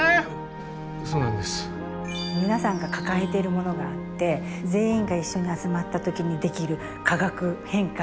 皆さんが抱えているものがあって全員が一緒に集まった時にできる化学変化